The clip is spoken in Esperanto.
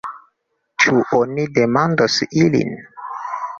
Ĉu oni demandos ilin?